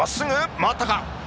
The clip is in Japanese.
回ったか。